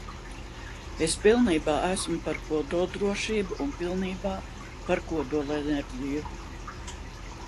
Es pilnībā esmu par kodoldrošību un pilnībā par kodolenerģiju.